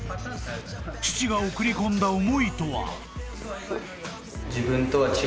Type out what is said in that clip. ［父が送り込んだ思いとは？］